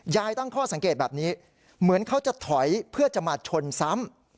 ตั้งข้อสังเกตแบบนี้เหมือนเขาจะถอยเพื่อจะมาชนซ้ำ